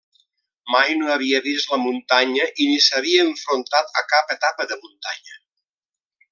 Mai no havia vist la muntanya i ni s'havia enfrontat a cap etapa de muntanya.